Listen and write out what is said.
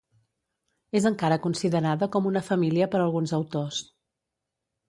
És encara considerada com una família per alguns autors.